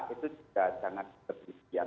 itu juga sangat lebih biak